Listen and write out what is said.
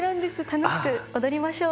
楽しく踊りましょう。